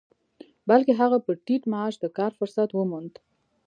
بلکې هغه په ټيټ معاش د کار فرصت وموند.